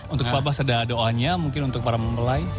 untuk bapak sedah doanya mungkin untuk para mempelai